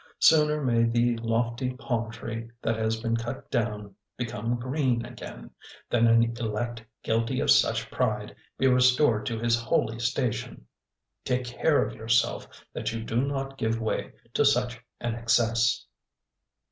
Sooner may the lofty palm tree that has been cut down become green again, than an elect guilty of such pride be restored to his holy station. Take care for yourself that you do not give way to such an excess.'